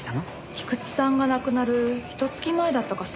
菊地さんが亡くなるひと月前だったかしら。